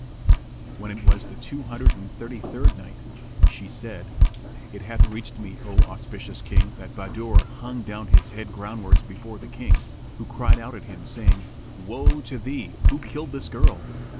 When it was the Two Hundred and Thirty third Night, She said, It hath reached me, O auspicious King, that Bahadur hung down his head groundwards before the King, who cried out at him, saying, "Woe to thee! Who killed this girl?"